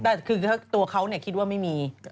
แต่คือตัวเค้าเนี่ยคิดว่าไม่มี